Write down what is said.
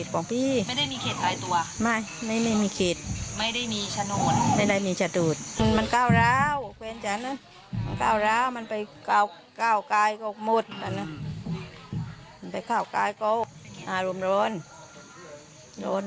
ก้าวกายก็หมดไปก้าวกายก็อารมณ์โรน